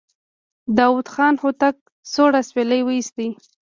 داوود خان هوتک سوړ اسويلی وايست.